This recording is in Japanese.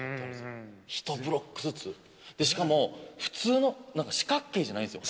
ひとブロックずつしかも、普通の四角形じゃないんですよ。